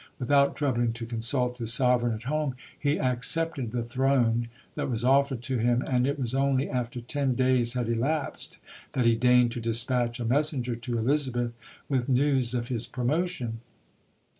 Without troubling to consult his Sovereign at home he accepted the "throne" that was offered to him; and it was only after ten days had elapsed that he deigned to despatch a messenger to Elizabeth with news of his promotion.